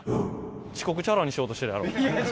遅刻ちゃらにしようとしてるやろ。